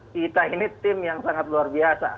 kita ini tim yang sangat luar biasa